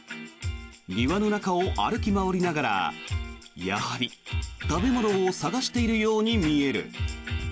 庭の中を歩き回りながらやはり食べ物を探しているように見える。